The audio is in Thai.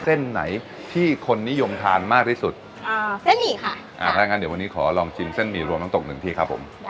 เส้นไหนที่คนนิยมทานมากที่สุดอ่าเส้นหมี่ค่ะอ่าถ้างั้นเดี๋ยววันนี้ขอลองชิมเส้นหมี่รวมน้ำตกหนึ่งที่ครับผม